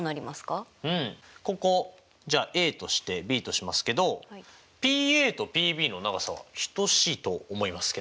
ここじゃあＡとしてＢとしますけどＰＡとＰＢの長さは等しいと思いますけど。